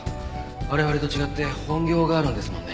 我々と違って本業があるんですもんね。